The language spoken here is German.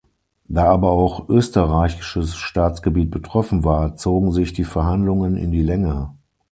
Da aber auch österreichisches Staatsgebiet betroffen war, zogen sich die Verhandlungen in die Länge.